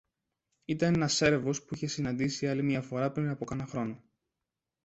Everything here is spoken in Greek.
Ήταν ένας Σέρβος που είχε συναντήσει άλλη μια φορά πριν από κάνα χρόνο